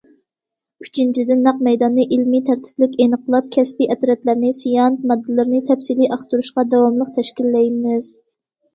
ئۈچىنچىدىن، نەق مەيداننى ئىلمىي تەرتىپلىك ئېنىقلاپ، كەسپى ئەترەتلەرنى سىيانىد ماددىلىرىنى تەپسىلىي ئاختۇرۇشقا داۋاملىق تەشكىللەيمىز.